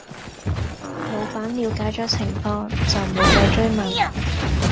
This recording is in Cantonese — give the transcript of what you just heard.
老闆了解左情況就無再追問